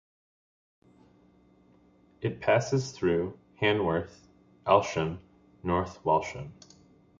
It passes through Hanworth, Aylsham, North Walsham.